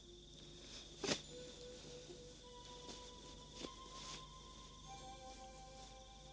bilang saja pada gurumu